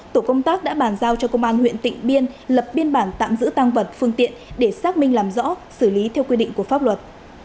tổ công tác đã bàn giao cho công an huyện tịnh biên lập biên bản tạm giữ tăng vật phương tiện để xác minh làm rõ xử lý theo quy định của pháp luật